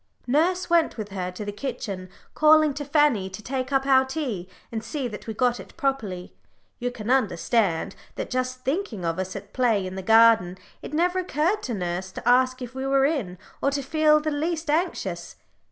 Nurse went with her to the kitchen, calling to Fanny to take up our tea, and see that we got it properly; you can understand that, just thinking of us as at play in the garden, it never occurred to nurse to ask if we were in, or to feel the least anxious.